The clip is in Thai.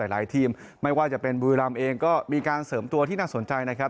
หลายทีมไม่ว่าจะเป็นบุรีรำเองก็มีการเสริมตัวที่น่าสนใจนะครับ